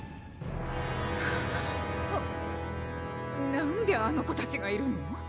なんであの子たちがいるの？